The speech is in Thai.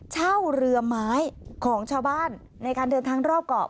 เช่าเรือไม้ของชาวบ้านในการเดินทางรอบเกาะ